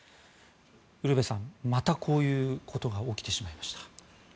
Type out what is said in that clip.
ウルヴェさん、またこういうことが起きてしまいました。